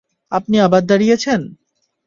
আপনি আবার দাঁড়িয়েছেন?